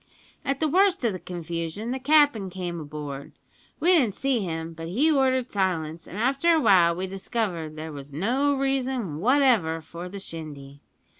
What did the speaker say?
"At the worst o' the confusion the cap'n came aboard. We didn't see him, but he ordered silence, an' after a while we discovered that there was no reason whatever for the shindy.